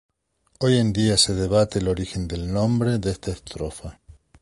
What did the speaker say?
Hoy en día se debate el origen del nombre de esta estrofa.